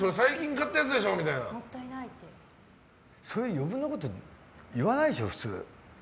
余計なこと言わないでしょ。